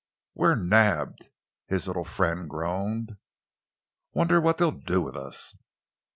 "We're nabbed!" his little friend groaned. "Wonder what they'll do with us."